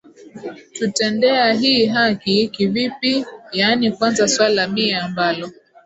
tutendea hii haki ki vipi yaani kwanza swala miye ambalo